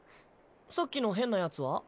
さっきの変なヤツは？